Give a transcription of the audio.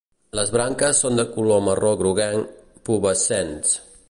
Les branques són de color marró groguenc, pubescents.